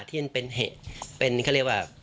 ที่มันเป็นเหตุ